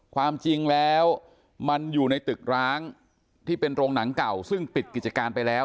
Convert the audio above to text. ความจริงแล้วมันอยู่ในตึกร้างที่เป็นโรงหนังเก่าซึ่งปิดกิจการไปแล้ว